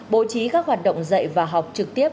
bố trí các hoạt động dạy và học trực tiếp